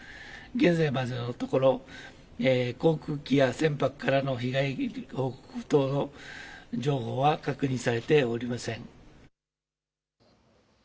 現在までのところ、航空機や船舶からの被害報告等の情報は確認されておりません。